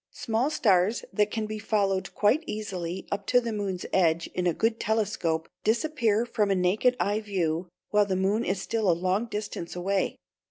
Small stars that can be followed quite easily up to the moon's edge in a good telescope, disappear from a naked eye view while the moon is still a long distance away.